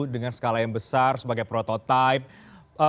dengan skala yang besar sebagai prototipe